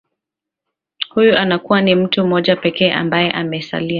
huyu anakuwa ni mtuu moja pekee ambaye amesalia